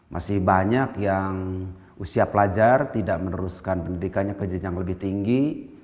masih banyak yang usia pelajar tidak meneruskan pendidikannya ke jenjang lebih tinggi